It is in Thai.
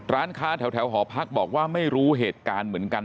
ร้านค้าแถวหอพักบอกว่าไม่รู้เหตุการณ์เหมือนกัน